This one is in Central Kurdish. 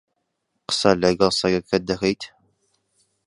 قسە لەگەڵ سەگەکەت دەکەیت؟